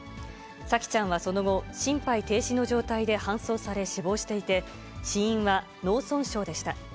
沙季ちゃんはその後、心肺停止の状態で搬送され、死亡していて、死因は脳損傷でした。